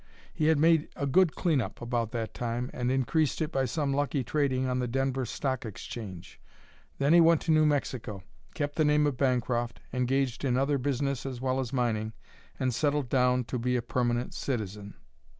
He had made a good clean up about that time and increased it by some lucky trading on the Denver stock exchange. Then he went to New Mexico, kept the name of Bancroft, engaged in other business as well as mining, and settled down to be a permanent citizen.